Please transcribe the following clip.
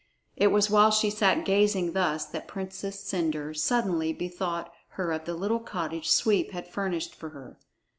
It was while she sat gazing thus that Princess Cendre suddenly bethought her of the little cottage Sweep had furnished for her.